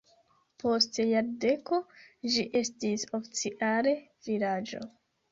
Post jardeko ĝi estis oficiale vilaĝo.